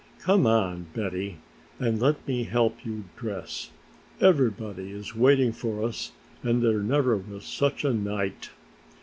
"Come on, Betty, and let me help you dress, everybody is waiting for us and there never was such a night!"